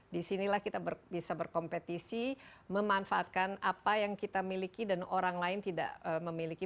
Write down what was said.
disinilah kita bisa berkompetisi memanfaatkan apa yang kita miliki dan orang lain tidak memiliki